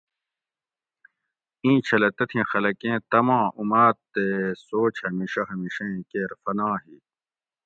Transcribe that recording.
اِیں چھلہ تتھیں خلکیں تما اُماۤد تے سوچ ہمیشہ ہمیشہ ایں کیر فنا ہی